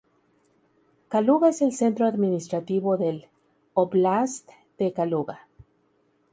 Kaluga es el centro administrativo del óblast de Kaluga.